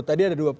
tadi ada dua